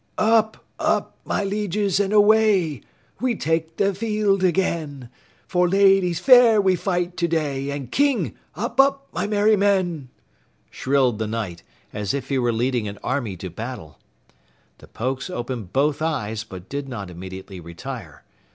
Up, up, my lieges and away! We take the field again For Ladies fair we fight today And KING! Up, up, my merry men! shrilled the Knight as if he were leading an army to battle. The Pokes opened both eyes, but did not immediately retire.